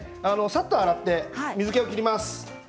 さっと洗って水けを切ります。